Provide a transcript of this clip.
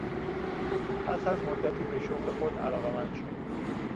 پس از مدتی به شغل خود علاقمند شد.